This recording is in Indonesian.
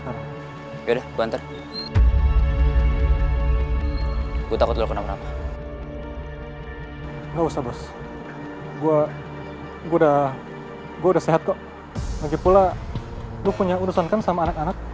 kalau gitu gue cabut duluan ya